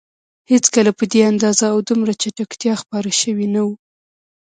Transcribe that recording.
هېڅکله په دې اندازه او دومره چټکتیا خپاره شوي نه وو.